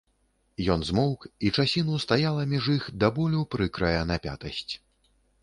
Ён змоўк, і часіну стаяла між іх да болю прыкрая напятасць.